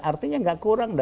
artinya gak kurang